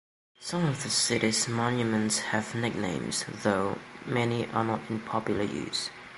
Some of the city's monuments have nicknames, though many are not in popular use.